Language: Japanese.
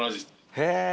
へぇ。